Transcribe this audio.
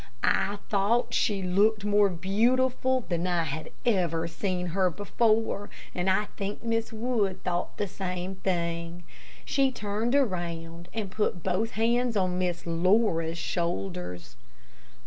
I thought she looked more beautiful than I had ever seen her before, and I think Mrs. Wood thought the same. She turned around and put both hands on Miss Laura's shoulders.